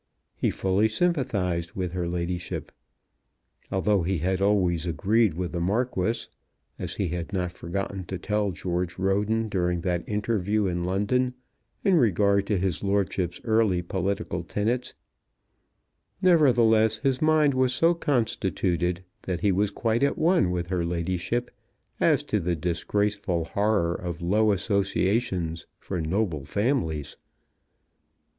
He fully sympathized with her ladyship. Although he had always agreed with the Marquis, as he had not forgotten to tell George Roden during that interview in London, in regard to his lordship's early political tenets, nevertheless his mind was so constituted that he was quite at one with her ladyship as to the disgraceful horror of low associations for noble families.